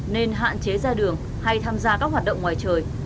nên hạn chế ra đường hay tham gia các hoạt động ngoài trời